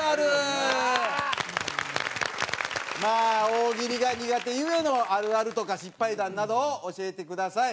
まあ大喜利が苦手ゆえのあるあるとか失敗談などを教えてください。